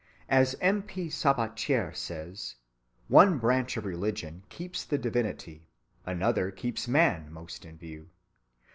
As M. P. Sabatier says, one branch of religion keeps the divinity, another keeps man most in view.